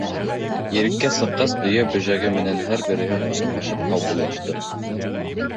Иреккә сыҡҡас, дөйә бөжәге менән һәр береһе ҡосаҡлашып һаубуллашты.